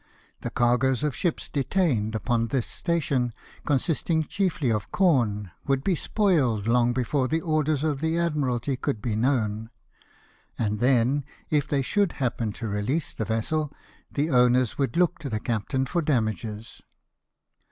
The cargoes of ships detained upon this station, consisting chiefly of corn, would be spoiled long before the orders of the Admiralty could AI* GENOA. 85 be known ; and then, if they should happen to release the vessel, the owners Avould look to the captain for damages.